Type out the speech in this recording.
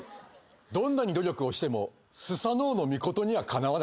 どんなに努力をしても須佐之男命にはかなわない。